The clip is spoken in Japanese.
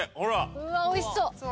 うわっおいしそう。